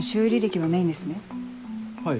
はい。